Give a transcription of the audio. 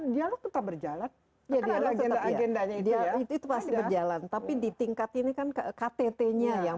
dialog tetap berjalan karena agendanya itu ya itu pasti berjalan tapi di tingkat ini kan kttnya yang